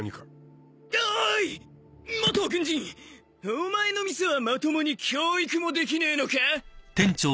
お前の店はまともに教育もできねえのか？